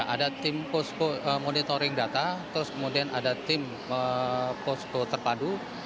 ada tim monitoring data terus kemudian ada tim posko terpadu